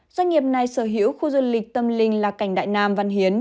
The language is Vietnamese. doanh nghiệp này sở hữu khu du lịch tâm linh là cảnh đại nam văn hiến